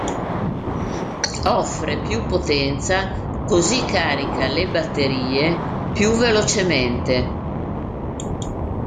Offre più potenza, così carica le batterie più velocemente.